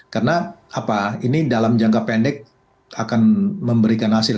karena ini dalam jangka pendek akan memberikan hasil